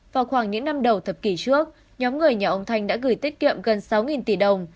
vào khoảng những năm đầu thập kỷ trước nhóm người nhà ông thanh đã gửi tiết kiệm gần sáu tỷ đồng